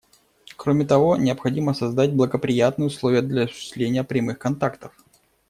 Кроме того, необходимо создать благоприятные условия для осуществления прямых контактов.